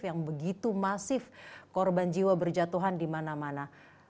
yang begitu masif korban jiwa berjatuhan di mana mana